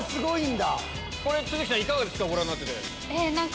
都筑さんいかがですか？